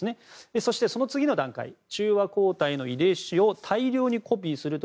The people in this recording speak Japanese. そして、その次の段階中和抗体の遺伝子を大量にコピーする。